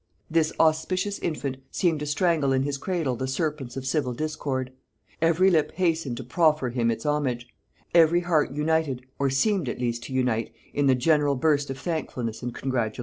This auspicious infant seemed to strangle in his cradle the serpents of civil discord. Every lip hastened to proffer him its homage; every heart united, or seemed at least to unite, in the general burst of thankfulness and congratulation.